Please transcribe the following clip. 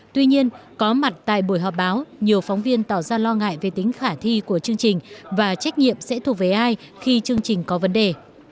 tuy nhiên có mặt tại buổi họp báo nhiều phóng viên tỏ ra lo ngại về tính khả thi của chương trình và trách nhiệm sẽ thuộc về ai khi chương trình có vấn đề